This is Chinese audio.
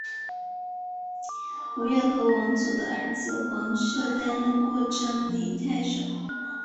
蒯越和黄祖的儿子黄射担任过章陵太守。